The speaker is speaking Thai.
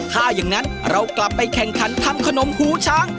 ถ้าอย่างนั้นเรากลับไปแข่งขันทำขนมหูช้าง